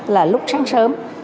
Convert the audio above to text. là lúc sáng sớm